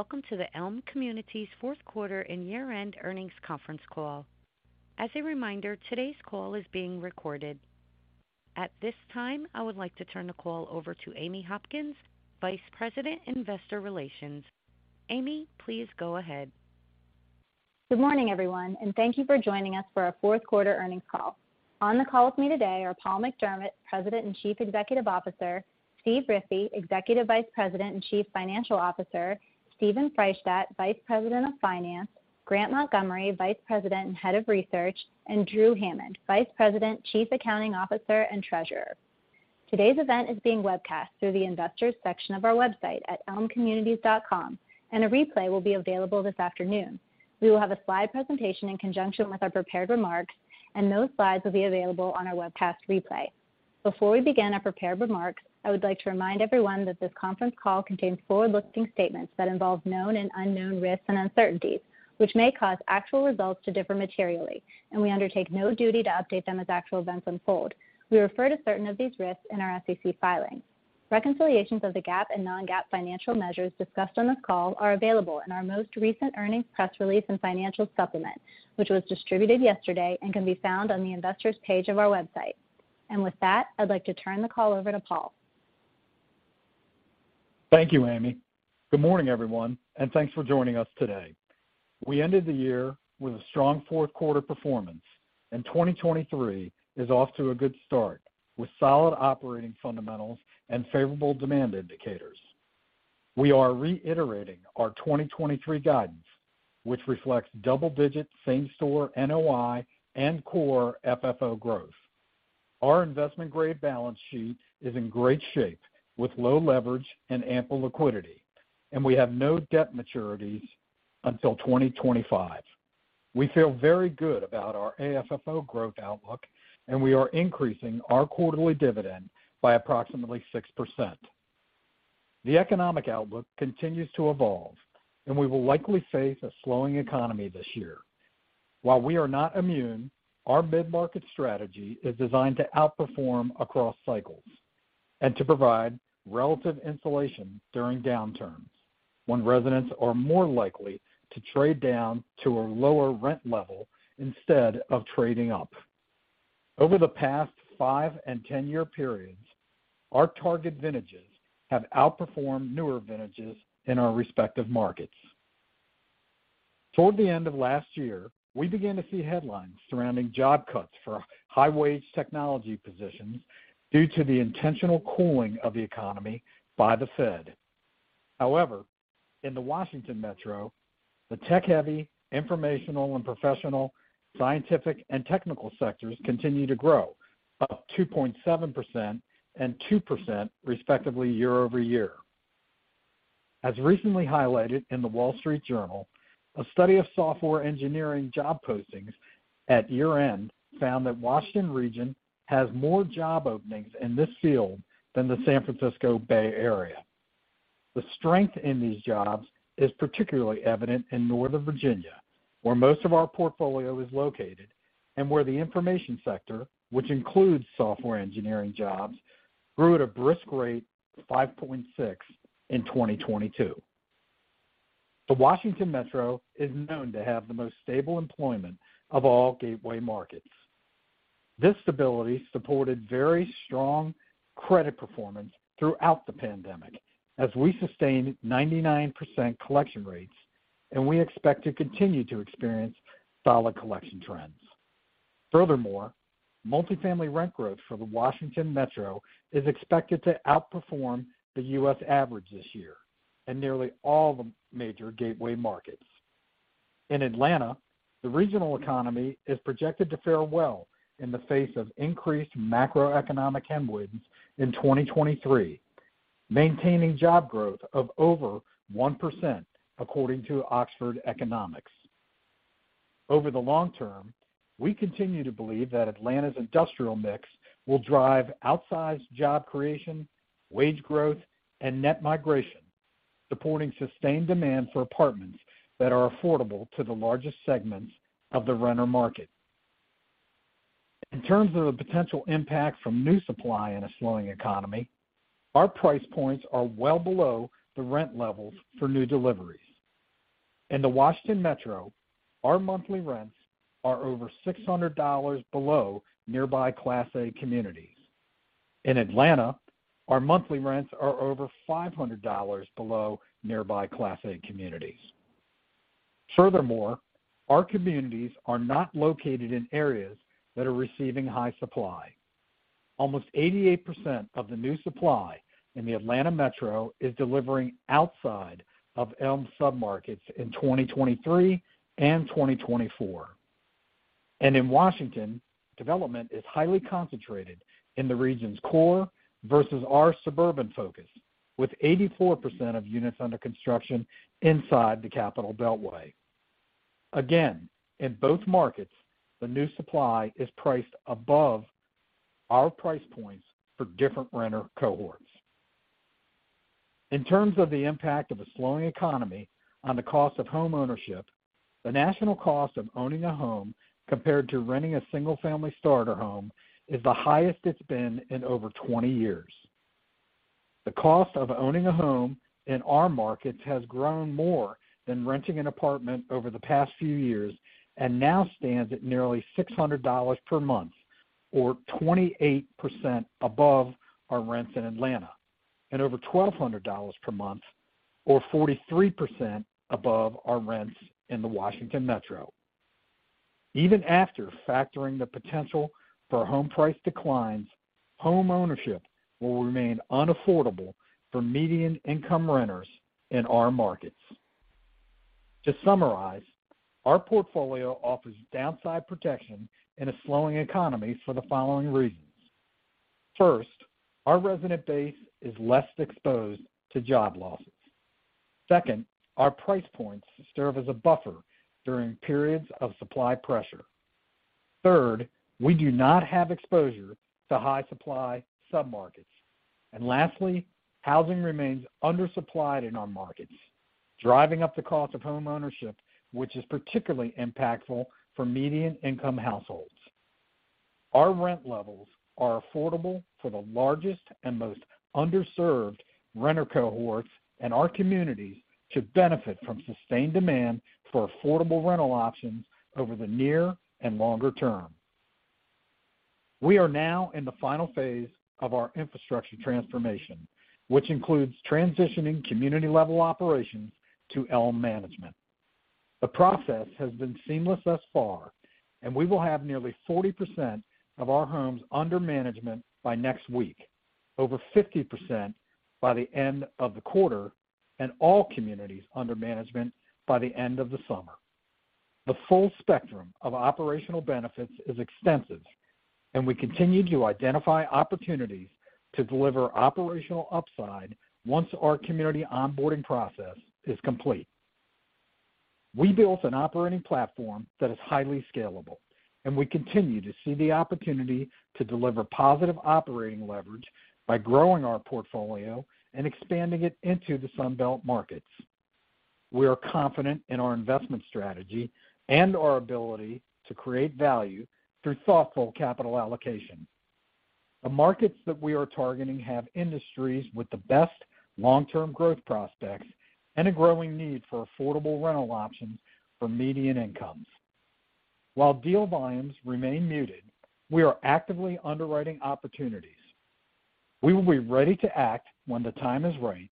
Welcome to the Elme Communities fourth quarter and year-end earnings conference call. As a reminder, today's call is being recorded. At this time, I would like to turn the call over to Amy Hopkins, Vice President, Investor Relations. Amy, please go ahead. Good morning, everyone, and thank you for joining us for our fourth quarter earnings call. On the call with me today are Paul McDermott, President and Chief Executive Officer, Steve Riffe, Executive Vice President and Chief Financial Officer, Steven Freishtat, Vice President of Finance, Grant Montgomery, Vice President and Head of Research, and Drew Hammond, Vice President, Chief Accounting Officer, and Treasurer. Today's event is being webcast through the investors section of our website at elmecommunities.com, and a replay will be available this afternoon. We will have a slide presentation in conjunction with our prepared remarks, and those slides will be available on our webcast replay. Before we begin our prepared remarks, I would like to remind everyone that this conference call contains forward-looking statements that involve known and unknown risks and uncertainties, which may cause actual results to differ materially, and we undertake no duty to update them as actual events unfold. We refer to certain of these risks in our SEC filing. Reconciliations of the GAAP and non-GAAP financial measures discussed on this call are available in our most recent earnings press release and financial supplement, which was distributed yesterday and can be found on the investors page of our website. With that, I'd like to turn the call over to Paul. Thank you, Amy. Good morning, everyone, thanks for joining us today. We ended the year with a strong fourth quarter performance. In 2023 is off to a good start, with solid operating fundamentals and favorable demand indicators. We are reiterating our 2023 guidance, which reflects double-digit same-store NOI and Core FFO growth. Our investment-grade balance sheet is in great shape, with low leverage and ample liquidity. We have no debt maturities until 2025. We feel very good about our AFFO growth outlook. We are increasing our quarterly dividend by approximately 6%. The economic outlook continues to evolve. We will likely face a slowing economy this year. While we are not immune, our mid-market strategy is designed to outperform across cycles and to provide relative insulation during downturns when residents are more likely to trade down to a lower rent level instead of trading up. Over the past five and 10-year periods, our target vintages have outperformed newer vintages in our respective markets. Toward the end of last year, we began to see headlines surrounding job cuts for high-wage technology positions due to the intentional cooling of the economy by the Fed. However, in the Washington Metro, the tech-heavy informational and professional, scientific, and technical sectors continue to grow up 2.7% and 2% respectively year-over-year. As recently highlighted in The Wall Street Journal, a study of software engineering job postings at year-end found that Washington region has more job openings in this field than the San Francisco Bay Area. The strength in these jobs is particularly evident in Northern Virginia, where most of our portfolio is located and where the information sector, which includes software engineering jobs, grew at a brisk rate of 5.6 in 2022. The Washington Metro is known to have the most stable employment of all gateway markets. This stability supported very strong credit performance throughout the pandemic as we sustained 99% collection rates, and we expect to continue to experience solid collection trends. Furthermore, multifamily rent growth for the Washington Metro is expected to outperform the U.S. average this year and nearly all the major gateway markets. In Atlanta, the regional economy is projected to fare well in the face of increased macroeconomic headwinds in 2023, maintaining job growth of over 1%, according to Oxford Economics. Over the long term, we continue to believe that Atlanta's industrial mix will drive outsized job creation, wage growth, and net migration, supporting sustained demand for apartments that are affordable to the largest segments of the renter market. In terms of the potential impact from new supply in a slowing economy, our price points are well below the rent levels for new deliveries. In the Washington Metro, our monthly rents are over $600 below nearby Class A communities. In Atlanta, our monthly rents are over $500 below nearby Class A communities. Furthermore, our communities are not located in areas that are receiving high supply. Almost 88% of the new supply in the Atlanta Metro is delivering outside of Elme submarkets in 2023 and 2024. In Washington, development is highly concentrated in the region's core versus our suburban focus, with 84% of units under construction inside the capital beltway. Again, in both markets, the new supply is priced above our price points for different renter cohorts. In terms of the impact of a slowing economy on the cost of homeownership. The national cost of owning a home compared to renting a single-family starter home is the highest it's been in over 20 years. The cost of owning a home in our markets has grown more than renting an apartment over the past few years, and now stands at nearly $600 per month, or 28% above our rents in Atlanta, and over $1,200 per month, or 43% above our rents in the Washington Metro. Even after factoring the potential for home price declines, homeownership will remain unaffordable for median income renters in our markets. To summarize, our portfolio offers downside protection in a slowing economy for the following reasons. First, our resident base is less exposed to job losses. Second, our price points serve as a buffer during periods of supply pressure. Third, we do not have exposure to high supply submarkets. Lastly, housing remains undersupplied in our markets, driving up the cost of homeownership, which is particularly impactful for median income households. Our rent levels are affordable for the largest and most underserved renter cohorts in our communities to benefit from sustained demand for affordable rental options over the near and longer term. We are now in the final phase of our infrastructure transformation, which includes transitioning community-level operations to Elme Management. The process has been seamless thus far, and we will have nearly 40% of our homes under management by next week, over 50% by the end of the quarter, and all communities under management by the end of the summer. The full spectrum of operational benefits is extensive, and we continue to identify opportunities to deliver operational upside once our community onboarding process is complete. We built an operating platform that is highly scalable, and we continue to see the opportunity to deliver positive operating leverage by growing our portfolio and expanding it into the Sun Belt markets. We are confident in our investment strategy and our ability to create value through thoughtful capital allocation. The markets that we are targeting have industries with the best long-term growth prospects and a growing need for affordable rental options for median incomes. While deal volumes remain muted, we are actively underwriting opportunities. We will be ready to act when the time is right,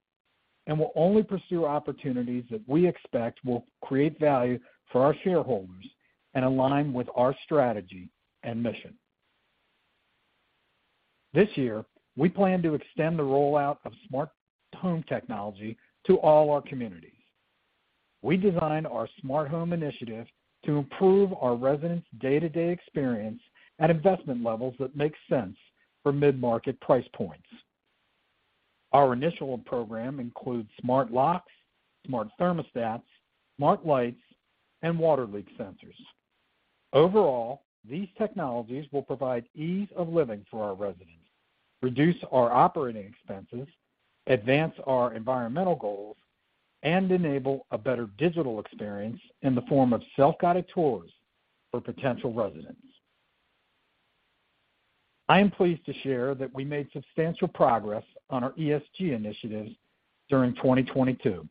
and we'll only pursue opportunities that we expect will create value for our shareholders and align with our strategy and mission. This year, we plan to extend the rollout of smart home technology to all our communities. We designed our smart home initiative to improve our residents' day-to-day experience at investment levels that make sense for mid-market price points. Our initial program includes smart locks, smart thermostats, smart lights, and water leak sensors. Overall, these technologies will provide ease of living for our residents, reduce our operating expenses, advance our environmental goals, and enable a better digital experience in the form of self-guided tours for potential residents. I am pleased to share that we made substantial progress on our ESG initiatives during 2022.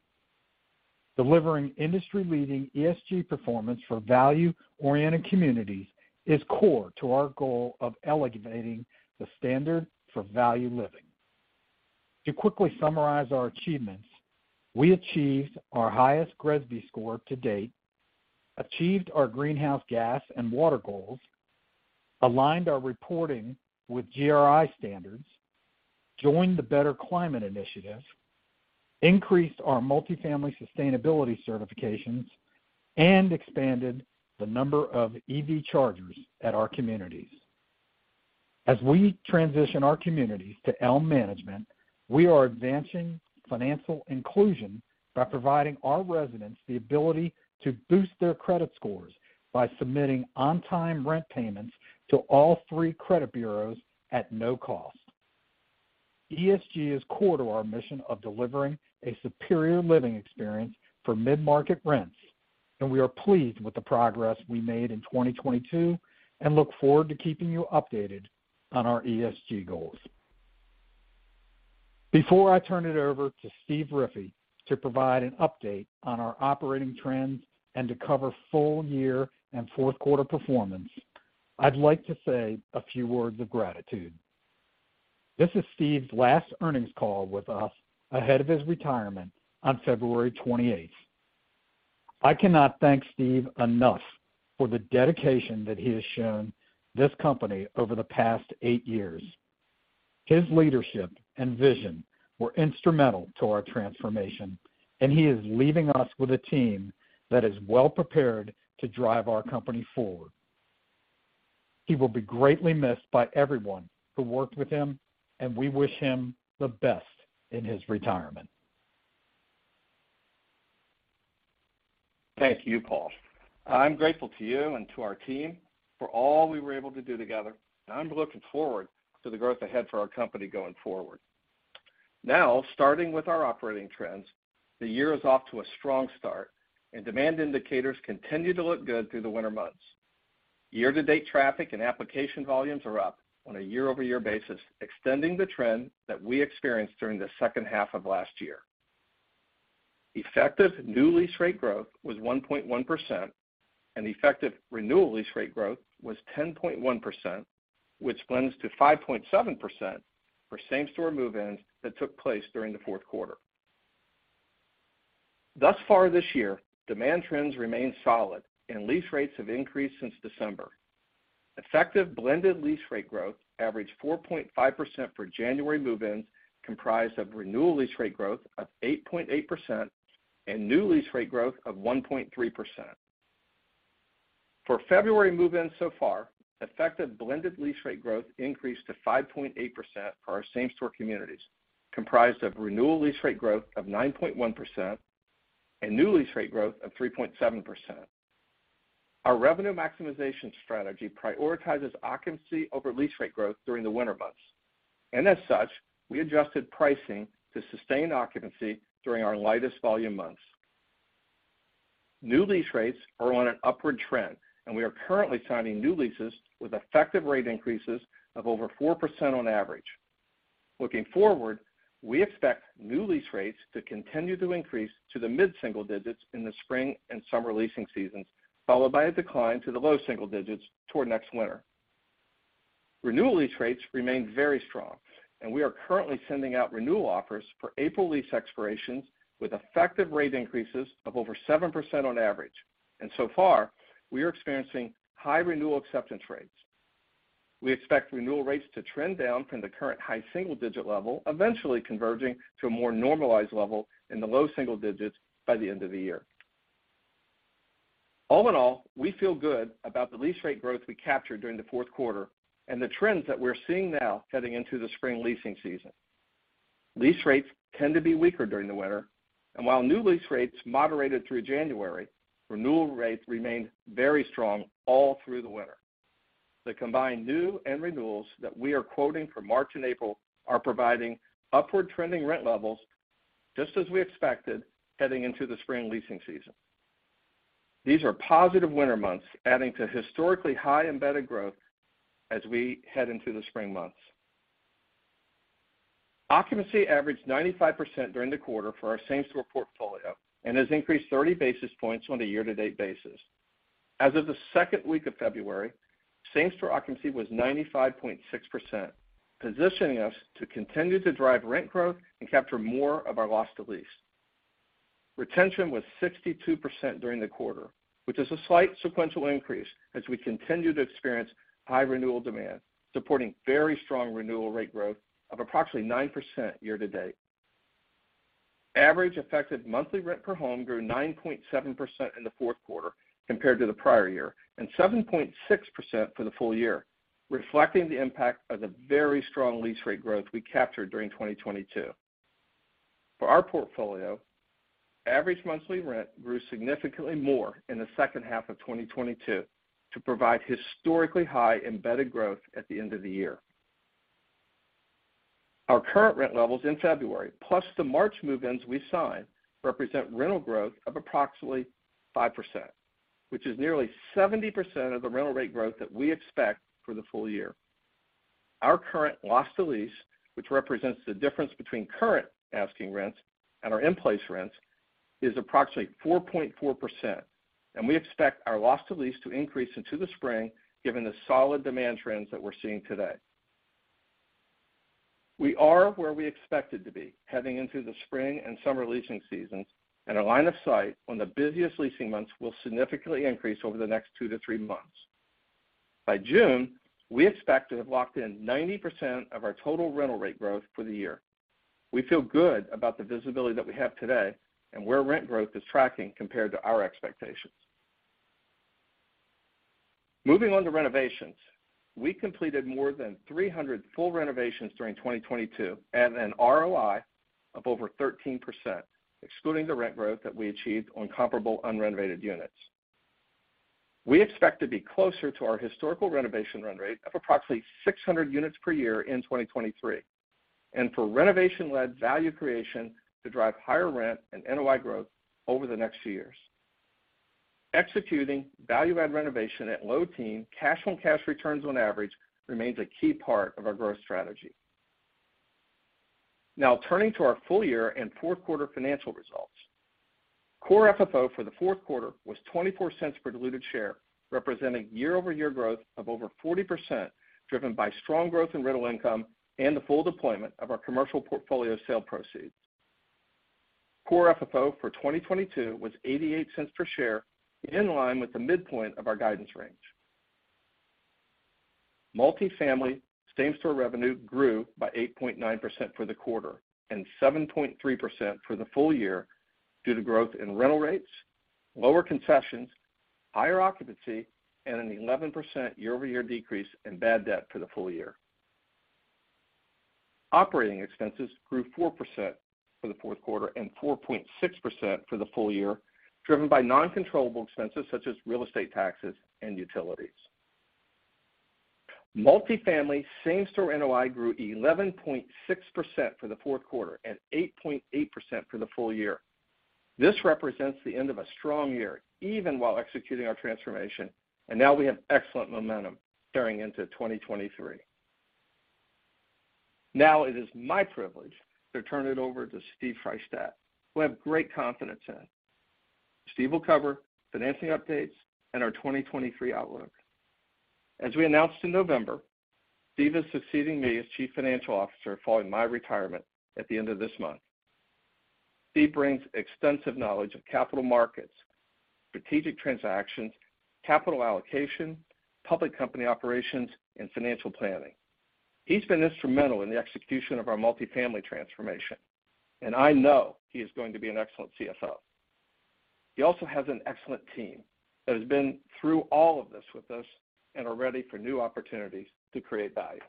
Delivering industry-leading ESG performance for value-oriented communities is core to our goal of elevating the standard for value living. To quickly summarize our achievements, we achieved our highest GRESB score to-date, achieved our greenhouse gas and water goals, aligned our reporting with GRI standards, joined the Better Climate Challenge, increased our multifamily sustainability certifications, and expanded the number of EV chargers at our communities. As we transition our communities to Elme Management, we are advancing financial inclusion by providing our residents the ability to boost their credit scores by submitting on-time rent payments to all three credit bureaus at no cost. ESG is core to our mission of delivering a superior living experience for mid-market rents, and we are pleased with the progress we made in 2022 and look forward to keeping you updated on our ESG goals. Before I turn it over to Steve Riffe to provide an update on our operating trends and to cover full year and fourth quarter performance, I'd like to say a few words of gratitude. This is Steve's last earnings call with us ahead of his retirement on February 28th. I cannot thank Steve enough for the dedication that he has shown this company over the past eight years. His leadership and vision were instrumental to our transformation, and he is leaving us with a team that is well prepared to drive our company forward. He will be greatly missed by everyone who worked with him, and we wish him the best in his retirement. Thank you, Paul. I'm grateful to you and to our team for all we were able to do together, and I'm looking forward to the growth ahead for our company going forward. Starting with our operating trends, the year is off to a strong start, and demand indicators continue to look good through the winter months. Year-to-date traffic and application volumes are up on a year-over-year basis, extending the trend that we experienced during the second half of last year. Effective new lease rate growth was 1.1%, and effective renewal lease rate growth was 10.1%, which blends to 5.7% for same-store move-ins that took place during the fourth quarter. Thus far this year, demand trends remain solid and lease rates have increased since December. Effective blended lease rate growth averaged 4.5% for January move-ins, comprised of renewal lease rate growth of 8.8% and new lease rate growth of 1.3%. For February move-ins so far, effective blended lease rate growth increased to 5.8% for our same-store communities, comprised of renewal lease rate growth of 9.1% and new lease rate growth of 3.7%. Our revenue maximization strategy prioritizes occupancy over lease rate growth during the winter months. As such, we adjusted pricing to sustain occupancy during our lightest volume months. New lease rates are on an upward trend, and we are currently signing new leases with effective rate increases of over 4% on average. Looking forward, we expect new lease rates to continue to increase to the mid-single digits in the spring and summer leasing seasons, followed by a decline to the low single digits toward next winter. Renewal lease rates remain very strong, and we are currently sending out renewal offers for April lease expirations with effective rate increases of over 7% on average. So far, we are experiencing high renewal acceptance rates. We expect renewal rates to trend down from the current high single digit level, eventually converging to a more normalized level in the low single digits by the end of the year. All in all, we feel good about the lease rate growth we captured during the fourth quarter and the trends that we're seeing now heading into the spring leasing season. Lease rates tend to be weaker during the winter, while new lease rates moderated through January, renewal rates remained very strong all through the winter. The combined new and renewals that we are quoting for March and April are providing upward trending rent levels just as we expected heading into the spring leasing season. These are positive winter months adding to historically high embedded growth as we head into the spring months. Occupancy averaged 95% during the quarter for our same-store portfolio and has increased 30 basis points on a year-to-date basis. As of the second week of February, same-store occupancy was 95.6%, positioning us to continue to drive rent growth and capture more of our loss to lease. Retention was 62% during the quarter, which is a slight sequential increase as we continue to experience high renewal demand, supporting very strong renewal rate growth of approximately 9% year-to-date. Average effective monthly rent per home grew 9.7% in the fourth quarter compared to the prior year, and 7.6% for the full year, reflecting the impact of the very strong lease rate growth we captured during 2022. For our portfolio, average monthly rent grew significantly more in the second half of 2022 to provide historically high embedded growth at the end of the year. Our current rent levels in February, plus the March move-ins we signed, represent rental growth of approximately 5%, which is nearly 70% of the rental rate growth that we expect for the full year. Our current loss to lease, which represents the difference between current asking rents and our in-place rents, is approximately 4.4%, and we expect our loss to lease to increase into the spring given the solid demand trends that we're seeing today. We are where we expected to be heading into the spring and summer leasing seasons, and our line of sight on the busiest leasing months will significantly increase over the next 2-3 months. By June, we expect to have locked in 90% of our total rental rate growth for the year. We feel good about the visibility that we have today and where rent growth is tracking compared to our expectations. Moving on to renovations. We completed more than 300 full renovations during 2022 at an ROI of over 13%, excluding the rent growth that we achieved on comparable unrenovated units. We expect to be closer to our historical renovation run rate of approximately 600 units per year in 2023. For renovation-led value creation to drive higher rent and NOI growth over the next few years. Executing value-add renovation at low-teen cash-on-cash returns on average remains a key part of our growth strategy. Turning to our full year and fourth quarter financial results. Core FFO for the fourth quarter was $0.24 per diluted share, representing year-over-year growth of over 40%, driven by strong growth in rental income and the full deployment of our commercial portfolio sale proceeds. Core FFO for 2022 was $0.88 per share, in line with the midpoint of our guidance range. Multifamily same-store revenue grew by 8.9% for the quarter and 7.3% for the full year due to growth in rental rates, lower concessions, higher occupancy, and an 11% year-over-year decrease in bad debt for the full year. Operating expenses grew 4% for the fourth quarter and 4.6% for the full year, driven by non-controllable expenses such as real estate taxes and utilities. Multifamily same-store NOI grew 11.6% for the fourth quarter and 8.8% for the full year. This represents the end of a strong year, even while executing our transformation. Now we have excellent momentum staring into 2023. Now it is my privilege to turn it over to Steven Freishtat, who I have great confidence in. Steven will cover financing updates and our 2023 outlook. As we announced in November, Steve is succeeding me as Chief Financial Officer following my retirement at the end of this month. Steve brings extensive knowledge of capital markets, strategic transactions, capital allocation, public company operations, and financial planning each has been instrumental in the execution of our multiplanning transformation. I know he is going to be an excellent CFO. He also has an excellent team that has been through all of this with us and are ready for new opportunities to create value.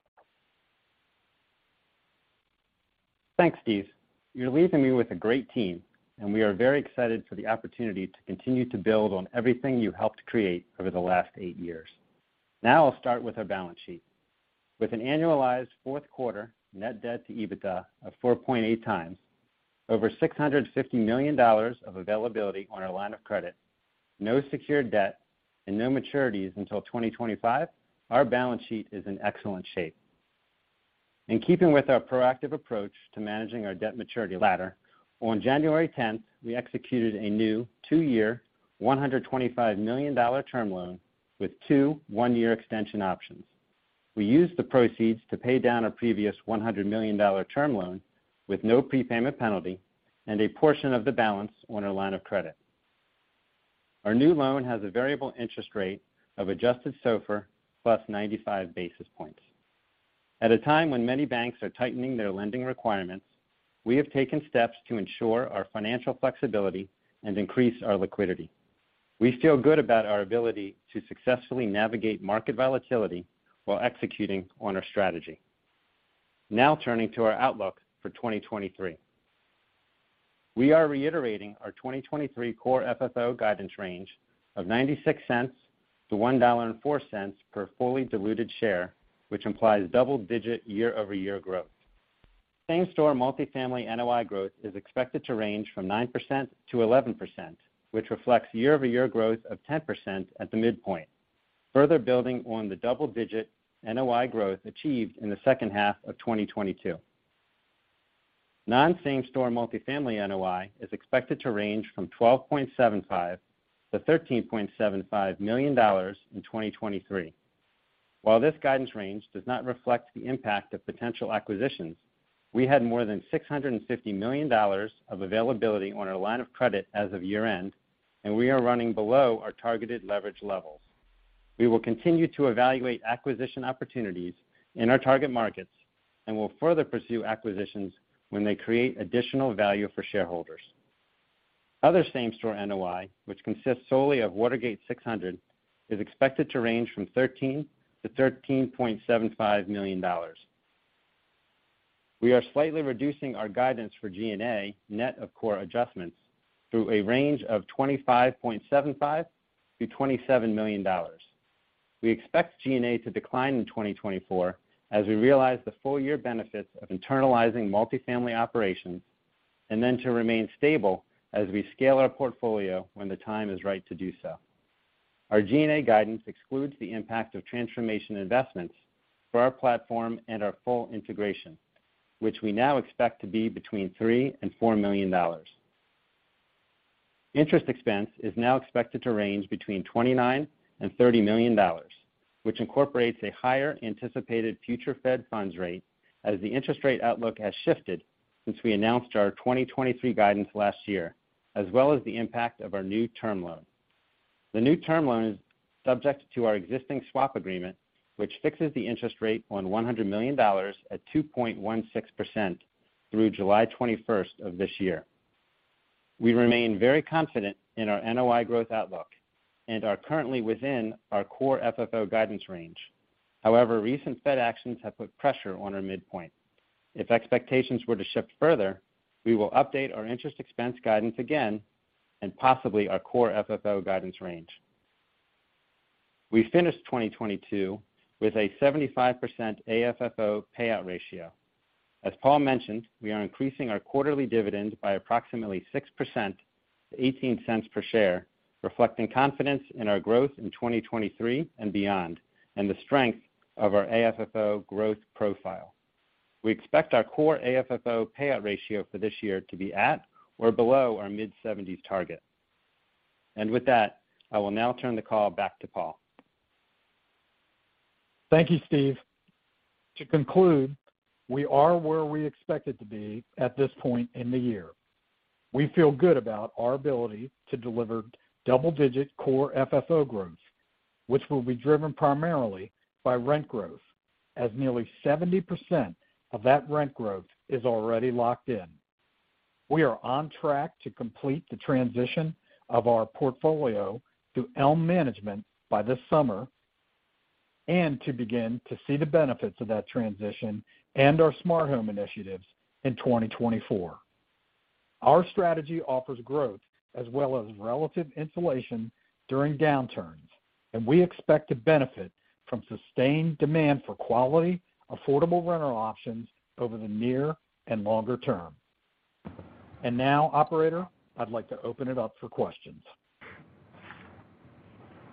Thanks, Steve. You're leaving me with a great team, we are very excited for the opportunity to continue to build on everything you helped create over the last eight years. I'll start with our balance sheet. With an annualized fourth quarter net debt to EBITDA of 4.8x, over $650 million of availability on our line of credit, no secured debt, and no maturities until 2025, our balance sheet is in excellent shape. In keeping with our proactive approach to managing our debt maturity ladder, on January 10th, we executed a new two-year, $125 million term loan with two one-year extension options. We used the proceeds to pay down a previous $100 million term loan with no prepayment penalty and a portion of the balance on our line of credit. Our new loan has a variable interest rate of adjusted SOFR +95 basis points. At a time when many banks are tightening their lending requirements, we have taken steps to ensure our financial flexibility and increase our liquidity. We feel good about our ability to successfully navigate market volatility while executing on our strategy. Turning to our outlook for 2023. We are reiterating our 2023 Core FFO guidance range of $0.96-$1.04 per fully diluted share, which implies double-digit year-over-year growth. Same-store multifamily NOI growth is expected to range from 9%-11%, which reflects year-over-year growth of 10% at the midpoint, further building on the double-digit NOI growth achieved in the second half of 2022. Non-same store multifamily NOI is expected to range from $12.75 million-$13.75 million in 2023. While this guidance range does not reflect the impact of potential acquisitions, we had more than $650 million of availability on our line of credit as of year-end, we are running below our targeted leverage levels. We will continue to evaluate acquisition opportunities in our target markets and will further pursue acquisitions when they create additional value for shareholders. Other same-store NOI, which consists solely of Watergate 600, is expected to range from $13 million-$13.75 million. We are slightly reducing our guidance for G&A net of core adjustments through a range of $25.75 million-$27 million. We expect G&A to decline in 2024 as we realize the full year benefits of internalizing multifamily operations and then to remain stable as we scale our portfolio when the time is right to do so. Our G&A guidance excludes the impact of transformation investments for our platform and our full integration, which we now expect to be between $3 million and $4 million. Interest expense is now expected to range between $29 million and $30 million, which incorporates a higher anticipated future Fed funds rate as the interest rate outlook has shifted since we announced our 2023 guidance last year, as well as the impact of our new term loan. The new term loan is subject to our existing swap agreement, which fixes the interest rate on $100 million at 2.16% through July 21st of this year. We remain very confident in our NOI growth outlook and are currently within our Core FFO guidance range. Recent Fed actions have put pressure on our midpoint. If expectations were to shift further, we will update our interest expense guidance again and possibly our Core FFO guidance range. We finished 2022 with a 75% AFFO payout ratio. As Paul mentioned, we are increasing our quarterly dividend by approximately 6% to $0.18 per share, reflecting confidence in our growth in 2023 and beyond and the strength of our AFFO growth profile. We expect our core AFFO payout ratio for this year to be at or below our mid-seventies target. With that, I will now turn the call back to Paul. Thank you, Steve. To conclude, we are where we expected to be at this point in the year. We feel good about our ability to deliver double-digit Core FFO growth, which will be driven primarily by rent growth, as nearly 70% of that rent growth is already locked in. We are on track to complete the transition of our portfolio to Elme Management by this summer and to begin to see the benefits of that transition and our smart home initiatives in 2024. Our strategy offers growth as well as relative insulation during downturns, and we expect to benefit from sustained demand for quality, affordable rental options over the near and longer term. Now, operator, I'd like to open it up for questions.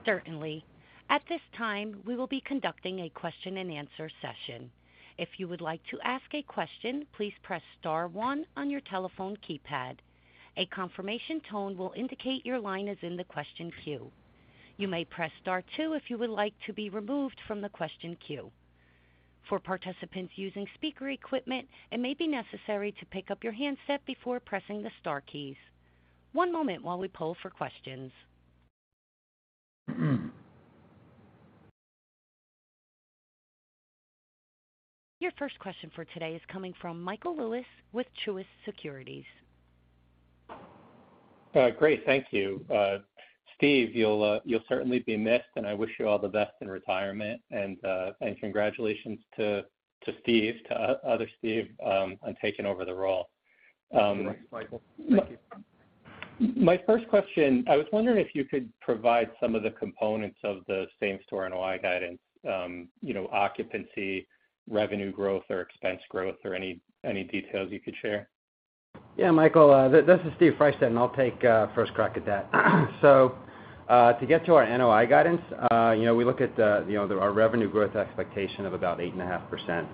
Certainly. At this time, we will be conducting a question-and-answer session. If you would like to ask a question, please press star one on your telephone keypad. A confirmation tone will indicate your line is in the question queue. You may press star two if you would like to be removed from the question queue. For participants using speaker equipment, it may be necessary to pick up your handset before pressing the star keys. One moment while we pull for questions. Your first question for today is coming from Michael Lewis with Truist Securities. Great, thank you. Steve, you'll certainly be missed, and I wish you all the best in retirement. Congratulations to Steve, to other Steve, on taking over the role. Thanks, Michael. Thank you. My first question, I was wondering if you could provide some of the components of the same-store NOI guidance, you know, occupancy, revenue growth or expense growth, or any details you could share? Yeah, Michael, this is Steven Freishtat, I'll take first crack at that. To get to our NOI guidance, you know, we look at, you know, our revenue growth expectation of about 8.5%.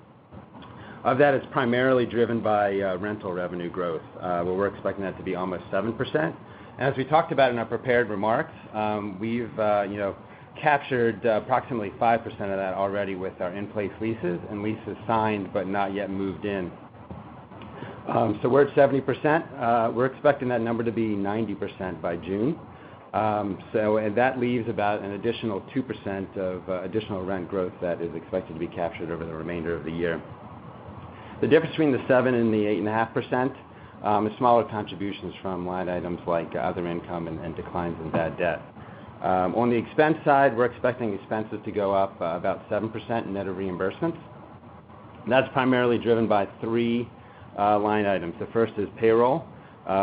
Of that is primarily driven by rental revenue growth, where we're expecting that to be almost 7%. As we talked about in our prepared remarks, we've, you know, captured approximately 5% of that already with our in-place leases and leases signed, but not yet moved in. We're at 70%. We're expecting that number to be 90% by June. That leaves about an additional 2% of additional rent growth that is expected to be captured over the remainder of the year. The difference between the 7% and the 8.5% is smaller contributions from line items like other income and declines in bad debt. On the expense side, we're expecting expenses to go up about 7% in net of reimbursements. That's primarily driven by three line items. The first is payroll,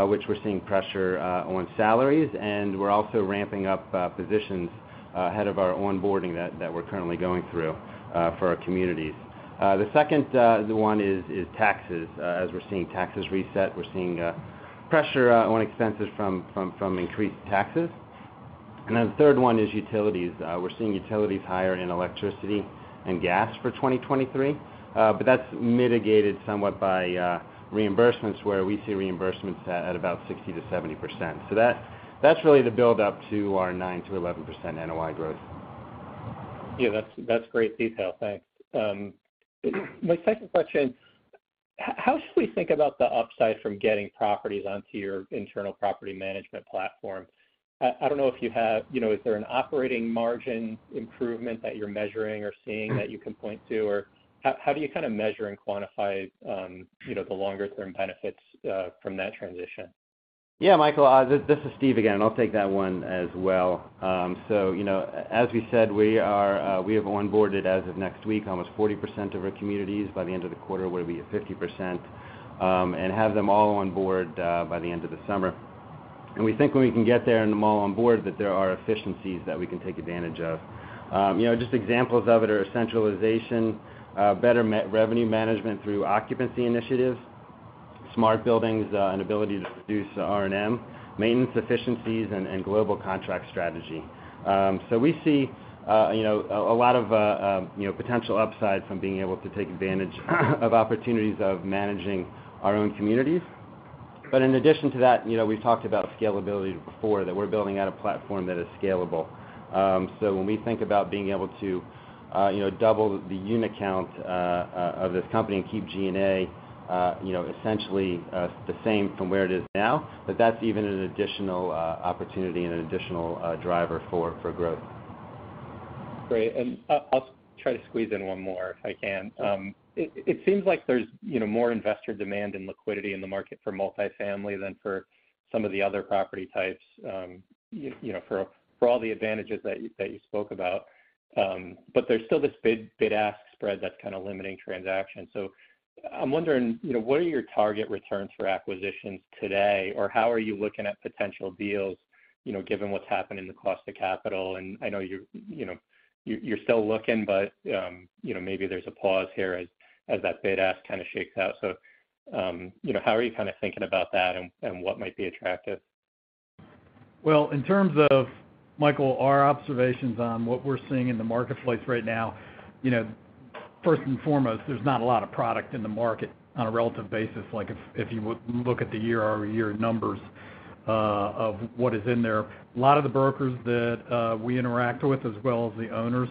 which we're seeing pressure on salaries, and we're also ramping up positions ahead of our onboarding that we're currently going through for our communities. The second one is taxes. As we're seeing taxes reset, we're seeing pressure on expenses from increased taxes. The third one is utilities. We're seeing utilities higher in electricity and gas for 2023, but that's mitigated somewhat by reimbursements, where we see reimbursements at about 60%-70%. That's really the build-up to our 9%-11% NOI growth. Yeah, that's great detail. Thanks. My second question, how should we think about the upside from getting properties onto your internal property management platform? I don't know if you have. You know, is there an operating margin improvement that you're measuring or seeing that you can point to? How do you kinda measure and quantify, you know, the longer term benefits from that transition? Michael, this is Steve again. I'll take that one as well. You know, as we said, we are, we have onboarded as of next week, almost 40% of our communities. By the end of the quarter, we'll be at 50%, and have them all on board by the end of the summer. We think when we can get there and them all on board, that there are efficiencies that we can take advantage of. You know, just examples of it are centralization, better revenue management through occupancy initiatives, smart buildings, and ability to produce R&M, maintenance efficiencies and global contract strategy. We see, you know, a lot of, you know, potential upsides from being able to take advantage of opportunities of managing our own communities. In addition to that, you know, we've talked about scalability before, that we're building out a platform that is scalable. So when we think about being able to, you know, double the unit count of this company and keep G&A, you know, essentially, the same from where it is now, that that's even an additional opportunity and an additional driver for growth. Great. I'll try to squeeze in one more if I can. It seems like there's, you know, more investor demand and liquidity in the market for multifamily than for some of the other property types, you know, for all the advantages that you spoke about. There's still this bid-ask spread that's kind of limiting transactions. I'm wondering, you know, what are your target returns for acquisitions today? How are you looking at potential deals, you know, given what's happened in the cost of capital? I know you're, you know, you're still looking, but, you know, maybe there's a pause here as that bid-ask kind of shakes out. You know, how are you kinda thinking about that and what might be attractive? Well, in terms of, Michael, our observations on what we're seeing in the marketplace right now, you know, first and foremost, there's not a lot of product in the market on a relative basis, like if you look at the year-over-year numbers of what is in there. A lot of the brokers that we interact with, as well as the owners,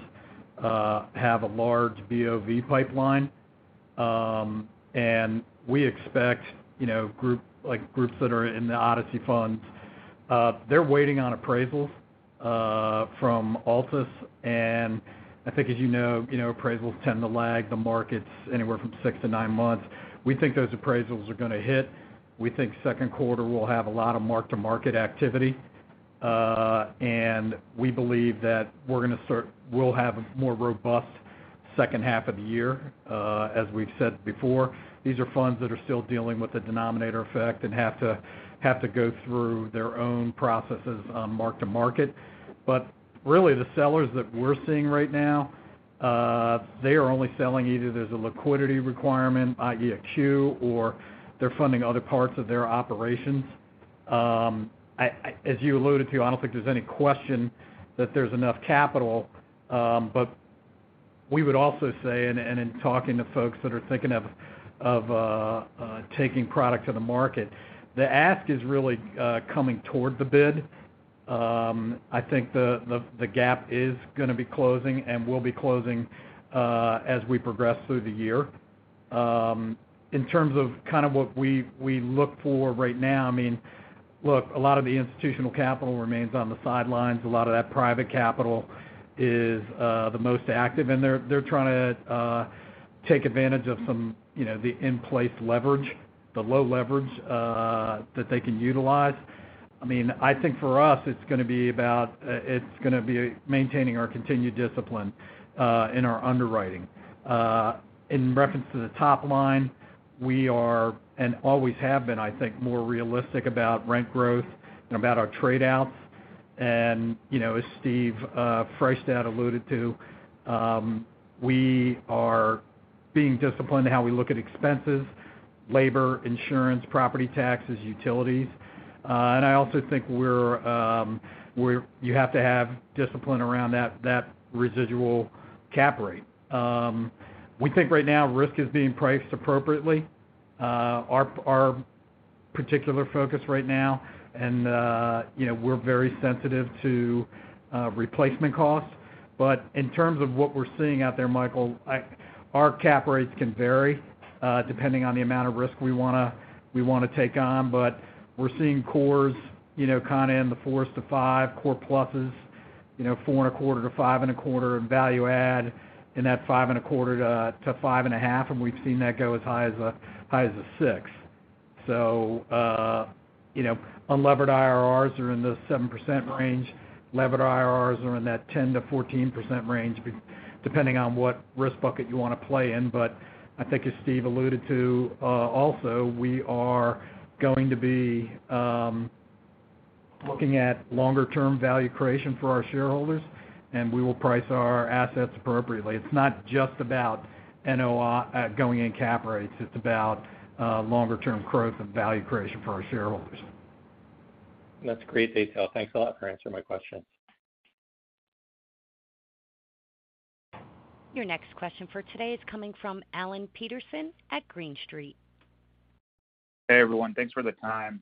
have a large BOV pipeline. We expect, you know, like groups that are in the Odyssey fund, they're waiting on appraisals from Altus. I think as you know, you know, appraisals tend to lag the markets anywhere from 6-9 months. We think those appraisals are gonna hit. We think second quarter will have a lot of mark-to-market activity. We believe that we're gonna have a more robust second half of the year. As we've said before, these are funds that are still dealing with the denominator effect and have to go through their own processes on mark-to-market. Really, the sellers that we're seeing right now, they are only selling, either there's a liquidity requirement, i.e. a queue, or they're funding other parts of their operations. As you alluded to, I don't think there's any question that there's enough capital, but we would also say, and in talking to folks that are thinking of taking product to the market, the ask is really coming toward the bid. I think the gap is gonna be closing and will be closing as we progress through the year. In terms of kind of what we look for right now, I mean, look, a lot of the institutional capital remains on the sidelines. A lot of that private capital is the most active, and they're trying to take advantage of some, you know, the in-place leverage, the low leverage that they can utilize. I mean, I think for us, it's gonna be about it's gonna be maintaining our continued discipline in our underwriting. In reference to the top line, we are and always have been, I think, more realistic about rent growth and about our trade-outs. You know, as Steve Freishtat alluded to, we are being disciplined in how we look at expenses, labor, insurance, property taxes, utilities. I also think we're you have to have discipline around that residual cap rate. We think right now risk is being priced appropriately. Our particular focus right now and, you know, we're very sensitive to replacement costs. In terms of what we're seeing out there, Michael, our cap rates can vary depending on the amount of risk we wanna take on. We're seeing cores, you know, kind of in the 4%-5%, core pluses, you know, 4.25%-5.25%, and value add in that 5.25%-5.5%, and we've seen that go as high as a 6%. Unlevered IRRs are in the 7% range. Levered IRRs are in that 10%-14% range depending on what risk bucket you wanna play in. I think as Steve alluded to, also, we are going to be looking at longer-term value creation for our shareholders, and we will price our assets appropriately. It's not just about NOI, going in cap rates. It's about longer-term growth and value creation for our shareholders. That's great detail. Thanks a lot for answering my question. Your next question for today is coming from Alan Peterson at Green Street. Hey, everyone. Thanks for the time.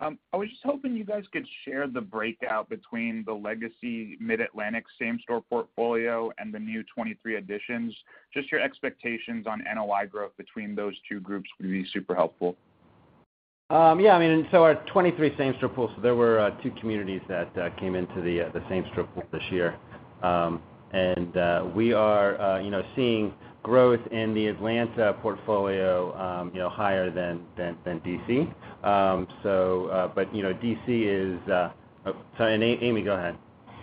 I was just hoping you guys could share the breakout between the legacy Mid-Atlantic same-store portfolio and the new 23 additions. Just your expectations on NOI growth between those two groups would be super helpful. Yeah, I mean, so our 23 same-store pools, so there were two communities that came into the same-store pool this year. We are, you know, seeing growth in the Atlanta portfolio, you know, higher than D.C. You know, D.C. is... Oh, sorry. Amy, go ahead.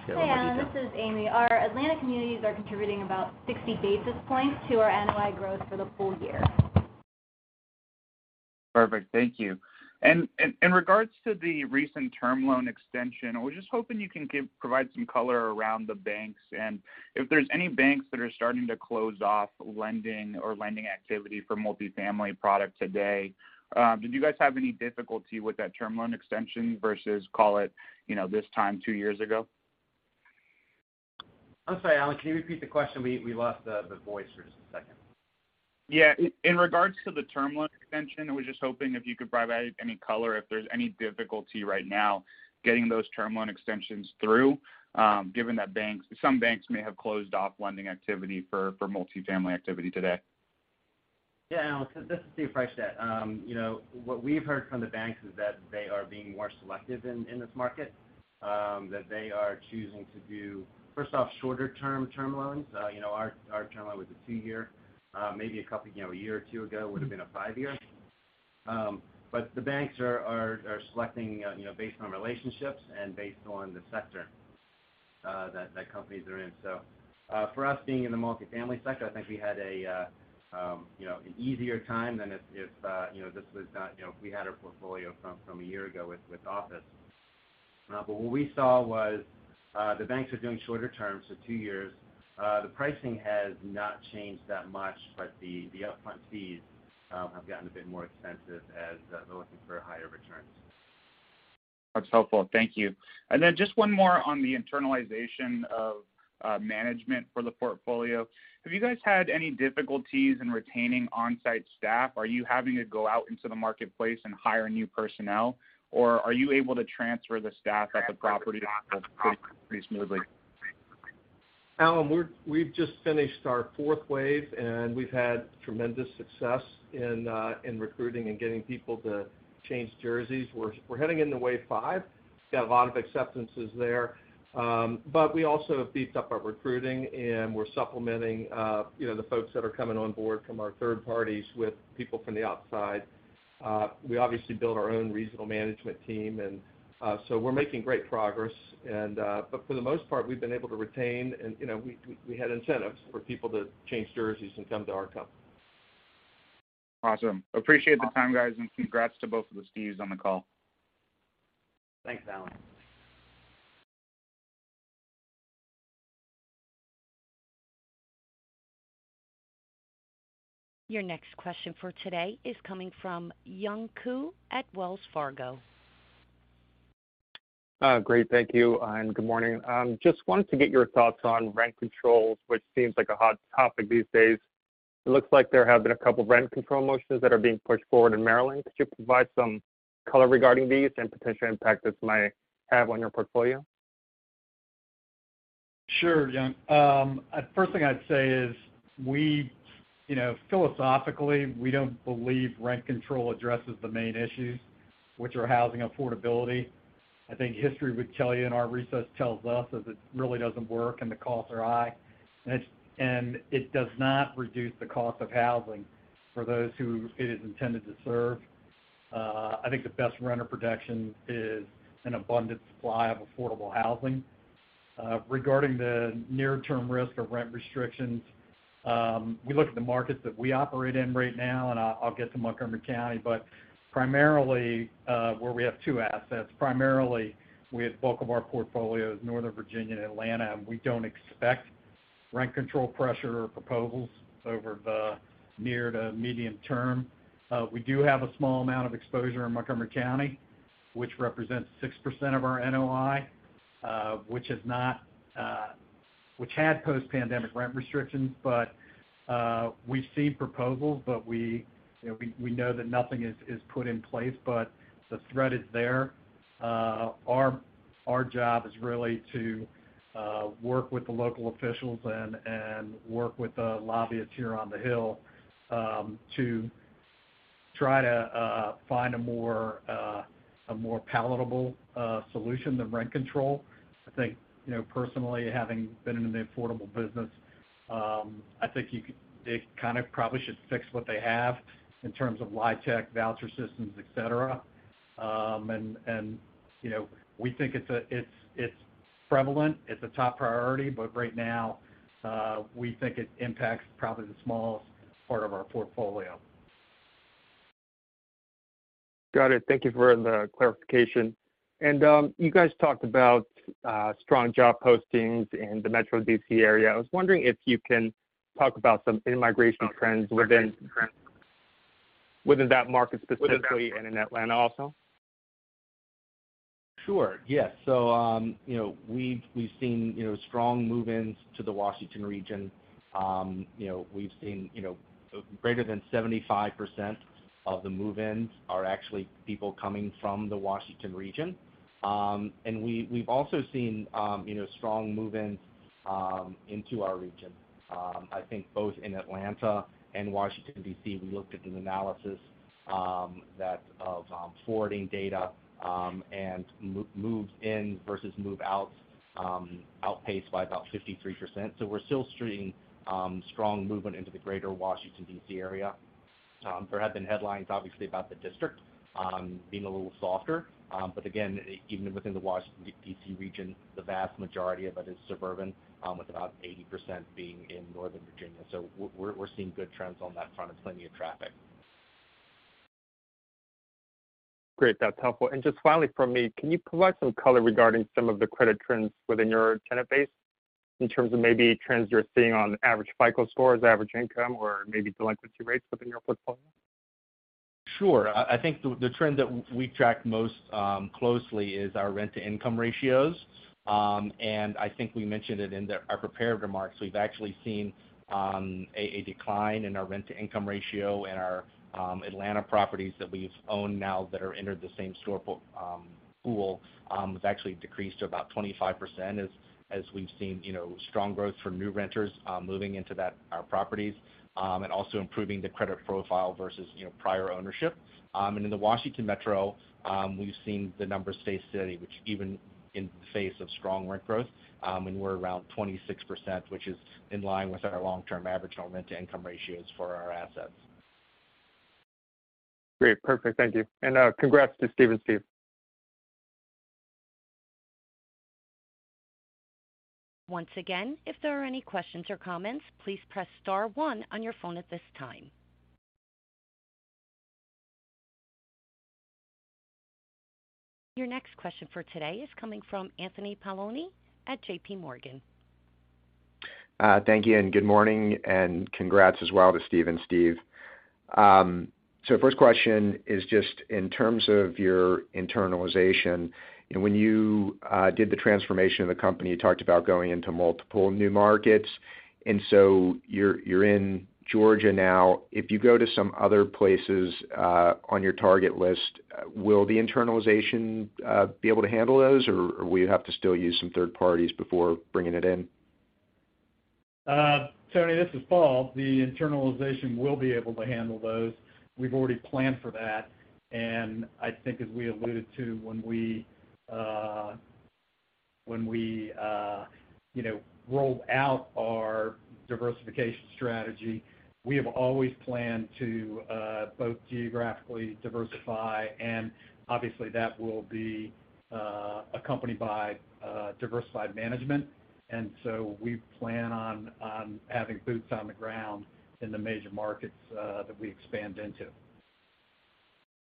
Hey, Alan, this is Amy. Our Atlanta communities are contributing about 60 basis points to our NOI growth for the full year. Perfect. Thank you. In regards to the recent term loan extension, I was just hoping you can provide some color around the banks and if there's any banks that are starting to close off lending or lending activity for multifamily product today. Did you guys have any difficulty with that term loan extension versus, call it, you know, this time two years ago? I'm sorry, Alan, can you repeat the question? We lost the voice for just a second. Yeah. In regards to the term loan extension, I was just hoping if you could provide any color, if there's any difficulty right now getting those term loan extensions through, given that some banks may have closed off lending activity for multifamily activity today. Yeah, Alan, this is Steven Freishtat. You know, what we've heard from the banks is that they are being more selective in this market, that they are choosing to do, first off, shorter-term term loans. You know, our term loan was a two-year, maybe a couple, you know, a year or two ago would have been a five-year. The banks are selecting, you know, based on relationships and based on the sector, that companies are in. For us, being in the multifamily sector, I think we had a, you know, an easier time than if this was not, you know, if we had our portfolio from a year ago with office. What we saw was, the banks are doing shorter terms, so two years. The pricing has not changed that much, but the upfront fees have gotten a bit more expensive as they're looking for higher returns. That's helpful. Thank you. Then just one more on the internalization of management for the portfolio. Have you guys had any difficulties in retaining on-site staff? Are you having to go out into the marketplace and hire new personnel, or are you able to transfer the staff at the property pretty smoothly? Alan, we've just finished our fourth wave, and we've had tremendous success in recruiting and getting people to change jerseys. We're heading into wave five, got a lot of acceptances there. We also have beefed up our recruiting, and we're supplementing, you know, the folks that are coming on board from our third parties with people from the outside. We obviously built our own regional management team, we're making great progress, for the most part, we've been able to retain, you know, we had incentives for people to change jerseys and come to our company. Awesome. Appreciate the time, guys, and congrats to both of the Steves on the call. Thanks, Alan. Your next question for today is coming from Young Ku at Wells Fargo. Great. Thank you, and good morning. Just wanted to get your thoughts on rent controls, which seems like a hot topic these days. It looks like there have been a couple of rent control motions that are being pushed forward in Maryland. Could you provide some color regarding these and potential impact this might have on your portfolio? Sure, Young. First thing I'd say is we, you know, philosophically, we don't believe rent control addresses the main issues, which are housing affordability. I think history would tell you, and our research tells us, is it really doesn't work and the costs are high, and it does not reduce the cost of housing for those who it is intended to serve. I think the best renter protection is an abundant supply of affordable housing. Regarding the near-term risk of rent restrictions, we look at the markets that we operate in right now, and I'll get to Montgomery County, but primarily, where we have two assets. Primarily, we have the bulk of our portfolio is Northern Virginia and Atlanta, and we don't expect rent control pressure or proposals over the near to medium term. We do have a small amount of exposure in Montgomery County, which represents 6% of our NOI, which had post-pandemic rent restrictions. We see proposals, but we, you know, we know that nothing is put in place, but the threat is there. Our job is really to work with the local officials and work with the lobbyists here on the Hill to try to find a more palatable solution than rent control. I think, you know, personally, having been in the affordable business, they kind of probably should fix what they have in terms of LIHTC, voucher systems, et cetera and, you know, we think it's a...prevalent, it's a top priority, but right now, we think it impacts probably the smallest part of our portfolio. Got it. Thank you for the clarification. You guys talked about strong job postings in the Metro D.C. area. I was wondering if you can talk about some in-migration trends within that market specifically and in Atlanta also. Sure, yes. We've seen strong move-ins to the Washington region. We've seen greater than 75% of the move-ins are actually people coming from the Washington region. We've also seen strong move-ins into our region. I think both in Atlanta and Washington, D.C., we looked at an analysis that of forwarding data and moves in versus moves out outpaced by about 53%. We're still seeing strong movement into the greater Washington, D.C., area. There have been headlines, obviously, about the district being a little softer. Again, even within the Washington, D.C., region, the vast majority of it is suburban, with about 80% being in Northern Virginia. We're seeing good trends on that front and plenty of traffic. Great. That's helpful. Just finally from me, can you provide some color regarding some of the credit trends within your tenant base in terms of maybe trends you're seeing on average FICO scores, average income, or maybe delinquency rates within your portfolio? Sure. I think the trend that we track most closely is our rent-to-income ratios. I think we mentioned it in the, our prepared remarks. We've actually seen a decline in our rent-to-income ratio in our Atlanta properties that we've owned now that are entered the same store pool has actually decreased to about 25% as we've seen, you know, strong growth for new renters moving into our properties, and also improving the credit profile versus, you know, prior ownership. In the Washington Metro, we've seen the numbers stay steady, which even in the face of strong rent growth, and we're around 26%, which is in line with our long-term average home rent-to-income ratios for our assets. Great. Perfect. Thank you. Congrats to Steve and Steve. Once again, if there are any questions or comments, please press star one on your phone at this time. Your next question for today is coming from Anthony Paolone at J.P. Morgan. Thank you, and good morning, and congrats as well to Steve and Steve. First question is just in terms of your internalization, and when you did the transformation of the company, you talked about going into multiple new markets, and you're in Georgia now. If you go to some other places on your target list, will the internalization be able to handle those, or will you have to still use some third parties before bringing it in? Tony, this is Paul. The internalization will be able to handle those. We've already planned for that. I think as we alluded to when we, when we, you know, rolled out our diversification strategy, we have always planned to both geographically diversify and obviously that will be accompanied by diversified management. We plan on having boots on the ground in the major markets that we expand into.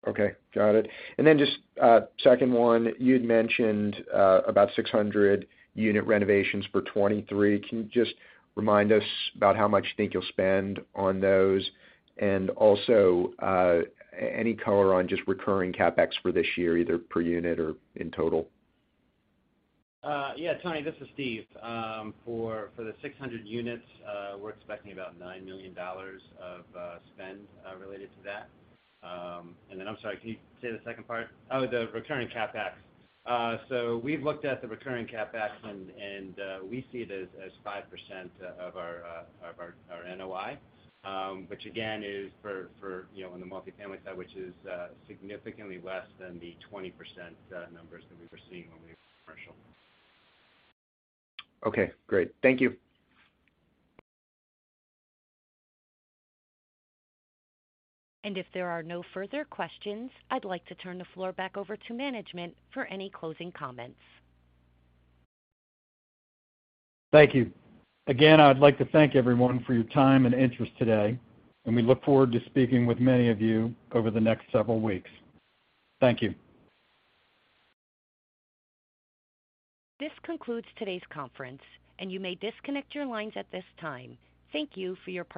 Okay. Got it. Then just a second one, you'd mentioned about 600 unit renovations for 2023. Can you just remind us about how much you think you'll spend on those? Also, any color on just recurring CapEx for this year, either per unit or in total? Yeah. Tony, this is Steve. For the 600 units, we're expecting about $9 million of spend related to that. I'm sorry, can you say the second part? Oh, the recurring CapEx. We've looked at the recurring CapEx and we see it as 5% of our of our NOI, which again is for, you know, on the multifamily side, which is significantly less than the 20% numbers that we were seeing when we were commercial. Okay, great. Thank you. If there are no further questions, I'd like to turn the floor back over to management for any closing comments. Thank you. Again, I'd like to thank everyone for your time and interest today. We look forward to speaking with many of you over the next several weeks. Thank you. This concludes today's conference, and you may disconnect your lines at this time. Thank you for your participation.